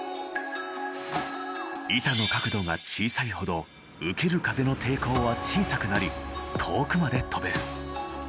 板の角度が小さいほど受ける風の抵抗は小さくなり遠くまで飛べる。